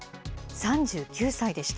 ３９歳でした。